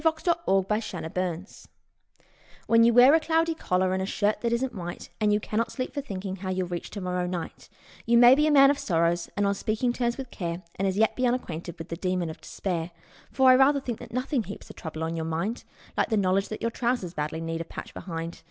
1905 When Your Pants Begin To Go HEN you wear a cloudy collar and a shirt that isn't white, And you cannot sleep for thinking how you'll reach to morrow night, You may be a man of sorrow, and on speaking terms with Care, But as yet you're unacquainted with the Demon of Despair ; For I rather think that nothing heaps the trouble on your mind Like the knowledge that your trousers badly need a patch behind.